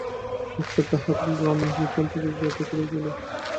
অক্ষয় তাহার ভ্রমণবৃত্তান্ত বিবৃত করিয়া বলিল।